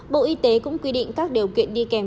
bộ y tế cũng quy định các điều kiện đi kèm